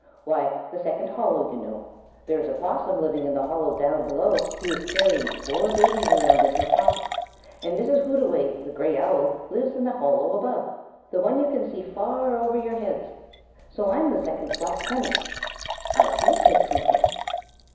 "Why, the second hollow, you know. There's a 'possum living in the hollow down below, who is carrying four babies around in her pocket; and Mrs. Hootaway, the gray owl, lives in the hollow above the one you can see far over your heads. So I'm the second flat tenant." "I see," said Twinkle.